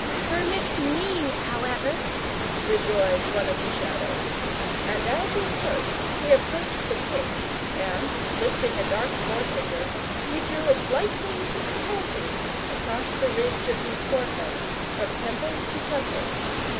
"Permit me, however," rejoined one of the Shadows; and as he spoke he approached the king; and lifting a dark forefinger, he drew it lightly but carefully across the ridge of his forehead, from temple to temple.